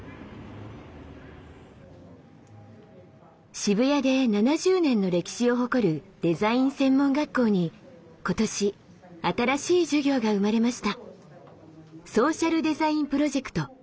渋谷で７０年の歴史を誇るデザイン専門学校に今年新しい授業が生まれました。